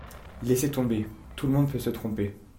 Laissez tomber. Tout le monde peut se tromper.